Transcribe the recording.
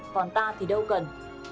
còn ta thì đâu cần